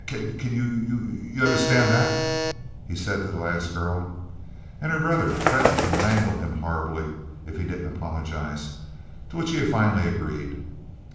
C c c can y y you understand that?' he said to the last girl, and her brother threatened to mangle him horribly if he didn't apologize, to which he finally agreed.